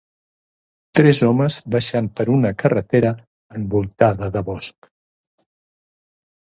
Tres homes baixant per una carretera envoltada de bosc.